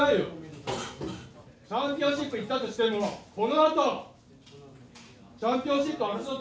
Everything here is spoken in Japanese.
チャンピオンシップいったとしてもこのあとチャンピオンシップ争って。